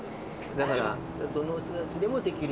だからその人たちでもできるような。